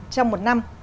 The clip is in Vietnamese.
trong một năm